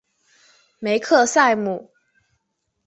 梅克赛姆。